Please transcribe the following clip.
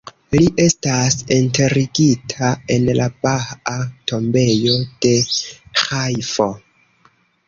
Li estas enterigita en la Bahaa Tombejo de Ĥajfo.